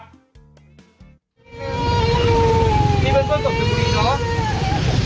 นี่เป็นบ้านส่วนศักดิ์มืออีกหรอ